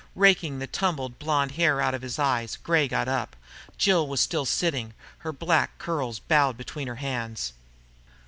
Raking the tumbled blond hair out of his eyes, Gray got up. Jill was still sitting, her black curls bowed between her hands.